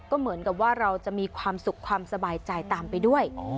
ก็เหมือนกับว่าเราจะมีความสุขความสบายใจตามไปด้วย